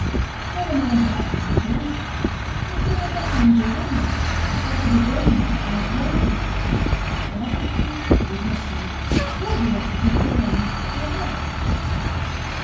'Niver mind about candles. I can bring up a candle wi' me, for I should be burning one at Alice Rose's.' So that excuse would not do. Sylvia beat her brains for another.